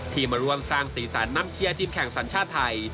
มาร่วมสร้างสีสันนำเชียร์ทีมแข่งสัญชาติไทย